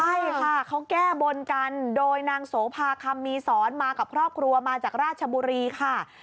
ใช่ค่ะเขาแก้บนกันโดยนางโสภาคำมีสอนมากับครอบครัวมาจากราชบุรีค่ะ